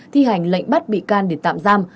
thi hành lệnh bắt bị can để tạm giam